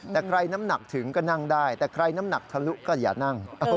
แต่ใครน้ำหนักถึงก็นั่งได้แต่ใครน้ำหนักทะลุก็อย่านั่ง